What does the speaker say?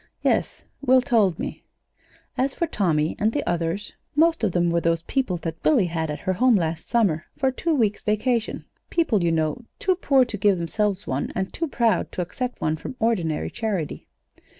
"Yes; Will told me." "As for Tommy and the others most of them were those people that Billy had at her home last summer for a two weeks' vacation people, you know, too poor to give themselves one, and too proud to accept one from ordinary charity.